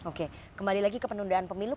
oke kembali lagi ke penundaan pemilu